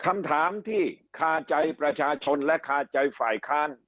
คำถามที่คาใจประชาชนและคาใจฝ่ายค้าน